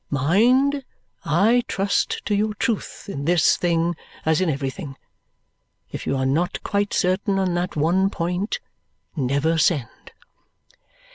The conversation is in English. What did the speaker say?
Mind, I trust to your truth, in this thing as in everything. If you are not quite certain on that one point, never send!"